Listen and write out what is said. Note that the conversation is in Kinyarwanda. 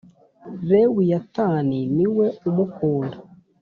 Lewiyatani niwe umukunda.